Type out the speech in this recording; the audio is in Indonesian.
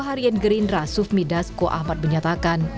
pak rakyat gerindra suf midas ko ahmad menyatakan